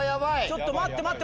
ちょっと待って待って。